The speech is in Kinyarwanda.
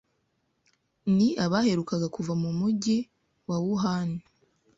ni abaherukaga kuva mu mujyi wa Wuhan